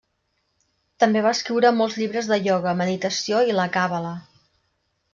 També va escriure molts llibres de ioga, meditació, i la càbala.